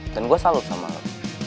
dan gue salut sama lo